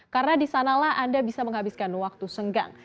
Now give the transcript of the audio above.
karena disanalah anda bisa menghabiskan waktu senggang